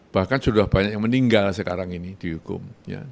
bahkan sudah banyak yang meninggal sekarang ini dihukum